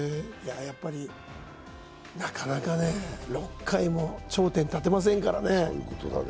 やっぱり、なかなか６回も頂点に立てませんからね。